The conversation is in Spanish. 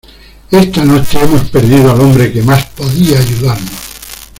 ¡ esta noche hemos perdido al hombre que más podía ayudarnos!